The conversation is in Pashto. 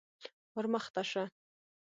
_ور مخته شه.